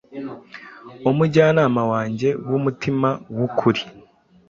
Umujyanama wanjye wumutima wukuri